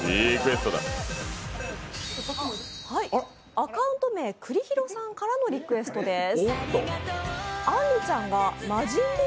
アカウント名、くりひろさんからのリクエストです。